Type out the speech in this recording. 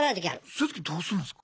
そういうときどうするんですか？